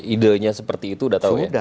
idenya seperti itu sudah tahu ya